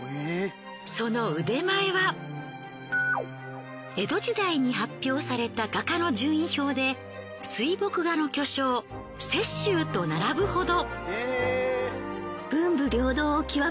その腕前は江戸時代に発表された画家の順位表で水墨画の巨匠雪舟と並ぶほど。